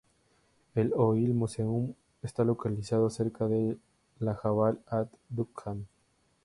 El Oil Museum está localizado cerca de la Jabal ad-Dukhan.